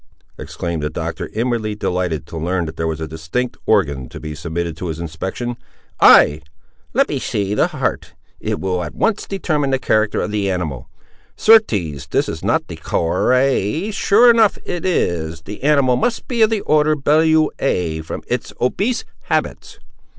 exclaimed the Doctor, inwardly delighted to learn there was a distinct organ to be submitted to his inspection. "Ay, let me see the heart—it will at once determine the character of the animal—certes this is not the cor—ay, sure enough it is—the animal must be of the order belluae, from its obese habits!"